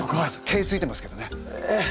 毛ついてますけどね。